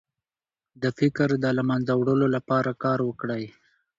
د فقر د له منځه وړلو لپاره کار وکړئ.